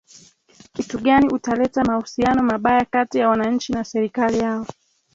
kitu gani utaleta mahusiano mabaya kati ya wananchi na serikali yao